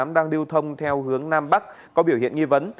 đang lưu thông theo hướng nam bắc có biểu hiện nghi vấn